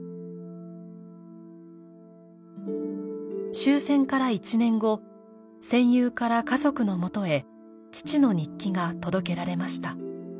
終戦から１年後戦友から家族のもとへ父の日記が届けられました。